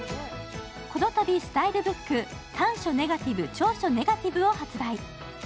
このたびスタイルブック「短所ネガティブ長所ネガティブ」を発売。